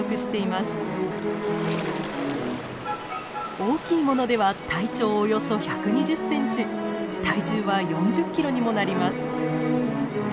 大きいものでは体長およそ１２０センチ体重は４０キロにもなります。